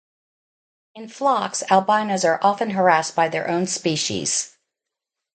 In flocks, albinos are often harassed by their own species.